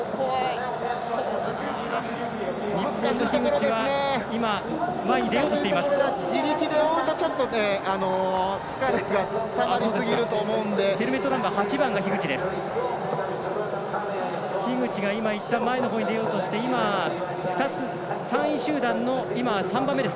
日本の樋口は前に出ようとしています。